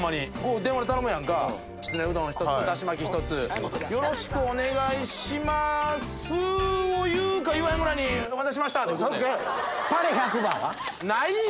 電話で頼むやんか、きつねうどん１つ、だし巻き１つ、よろしくお願いしますを言うか言わへんぐらいに、お待たせしましうそつけ！ないよ！